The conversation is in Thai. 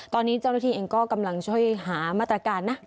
ตอนนี้เจ้าหน้าที่เองก็กำลังช่วยหามาตรการนะ